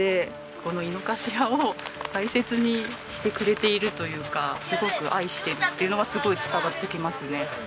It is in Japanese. この猪之頭を大切にしてくれているというかすごく愛してるっていうのがすごい伝わってきますね。